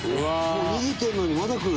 「もう逃げてるのにまだ来る」